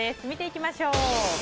見ていきましょう。